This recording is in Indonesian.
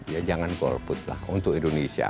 ya jangan golput lah untuk indonesia